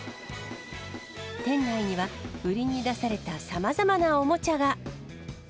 店内には、売りに出されたさまざまなおもちゃが。